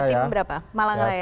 jatim berapa malang raya